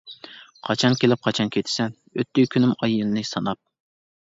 قاچان كېلىپ قاچان كېتىسەن ئۆتتى كۈنۈم ئاي يىلنى ساناپ.